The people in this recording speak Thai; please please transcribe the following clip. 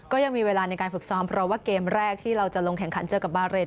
ก็ยังมีเวลาในการฝึกซ้อมเพราะว่าเกมแรกที่เราจะลงแข่งขันเจอกับบาเรน